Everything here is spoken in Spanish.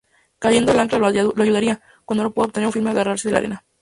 Cayendo la ancla no ayudaría, cuando no pueda obtener un firme agarrarse la arena.